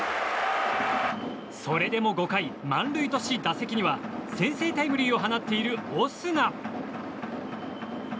それでも５回、満塁とし打席には先制タイムリーを放っているオスナ。